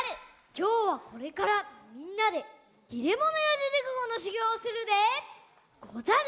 きょうはこれからみんなで「切れ者四字熟語」のしゅぎょうをするでござる！